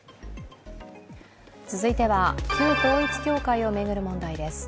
続いては、旧統一教会を巡る問題です。